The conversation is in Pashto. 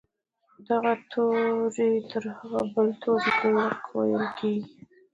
دغه توری تر هغه بل توري کلک ویل کیږي.